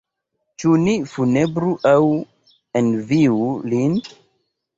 Ĉu ni funebru aŭ enviu lin?